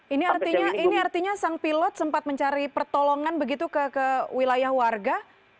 ini artinya sang pilot sempat mencari pertolongan begitu ke wilayah warga